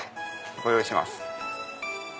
ご用意します。